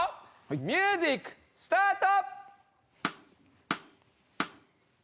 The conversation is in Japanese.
ミュージックスタート！